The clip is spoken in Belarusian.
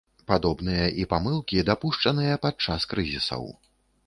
Падобныя і памылкі, дапушчаныя падчас крызісаў.